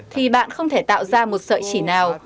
thì bạn không thể tạo ra một sợi chỉ nào